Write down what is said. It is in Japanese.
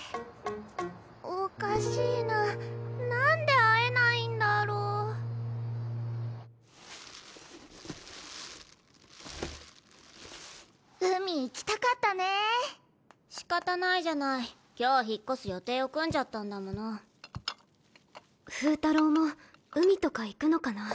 おかしいなあ何で会えないんだろ海行きたかったね仕方ないじゃない今日引っ越す予定を組んじゃったんだものフータローも海とか行くのかな